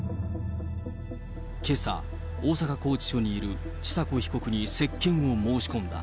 けさ、大阪拘置所にいる千佐子被告に接見を申し込んだ。